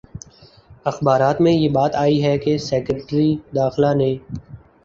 اخبارات میں یہ بات آئی ہے کہ سیکرٹری داخلہ نے